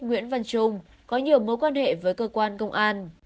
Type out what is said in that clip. nguyễn văn trung có nhiều mối quan hệ với cơ quan công an